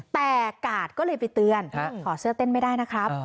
แต่กาดก็เลยไปเตือนถอดเสื้อเต้นไม่ได้นะครับ